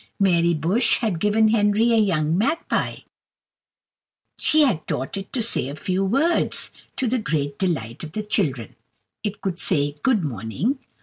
Mary Bush had given Henry a young magpie; she had taught it to say a few words, to the great delight of the children. It could say, "Good morning!"